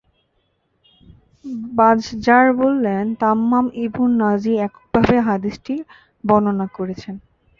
বাযযার বলেন, তাম্মাম ইবুন নাজীহ এককভাবে হাদীসটি বর্ণনা করেছেন।